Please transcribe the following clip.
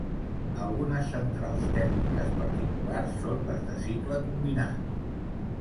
Algunes centrals tèrmiques particulars són les de cicle combinat.